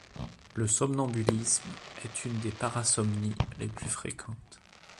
Le somnambulisme est une des parasomnies les plus fréquentes.